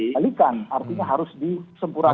itu dikalkikan artinya harus disempurakan